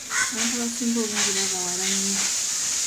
Abantu abasinga obungi baava wala nnyo.